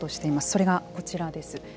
それがこちらです。